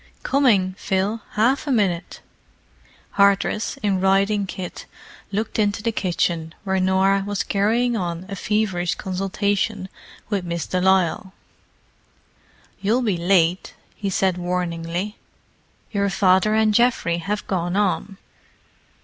"Coming, Phil—half a minute!" Hardress, in riding kit, looked into the kitchen, where Norah was carrying on a feverish consultation with Miss de Lisle. "You'll be late," he said warningly. "Your father and Geoffrey have gone on."